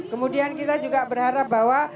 kemudian kita juga berharap bahwa